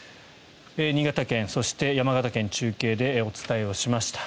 新潟県、そして山形県中継でお伝えしました。